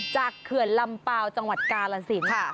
เขื่อนลำเปล่าจังหวัดกาลสิน